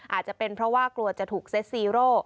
อาจจะเป็นเพราะว่ากลัวจะถูกเซ็ตซีโร่